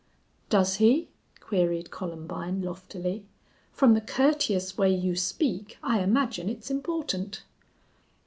"Does he?" queried Columbine, loftily. "From the courteous way you speak I imagine it's important."